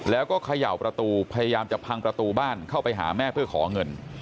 แล้วก็เขย่าประตูพยายามจะพังประตูบ้านเข้าไปหาแม่เพื่อขอเงิน